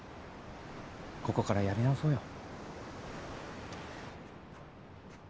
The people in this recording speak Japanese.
ここからやり直そうよ。